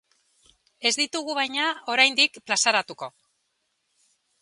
Ez ditugu, baina, oraindik plazaratuko.